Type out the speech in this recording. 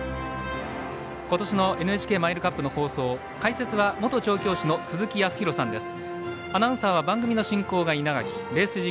今年のＮＨＫマイルカップの放送解説は元調教師の鈴木康弘さんです。